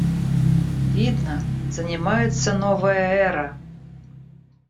Видно — занимается новая эра!